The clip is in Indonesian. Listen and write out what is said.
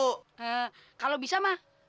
eh kalau bisa mah